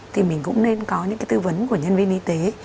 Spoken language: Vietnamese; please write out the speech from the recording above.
thì mình cũng nên có những cái tư vấn của nhân viên y tế